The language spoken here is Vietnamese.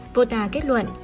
vota kết luận